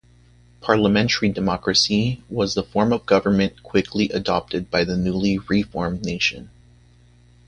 Parliamentary democracy was the form of government quickly adopted by the newly re-formed nation.